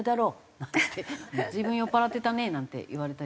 なんつって「随分酔っ払ってたね」なんて言われたり？